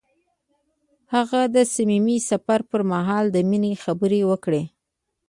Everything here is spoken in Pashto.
هغه د صمیمي سفر پر مهال د مینې خبرې وکړې.